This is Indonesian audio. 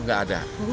oh nggak ada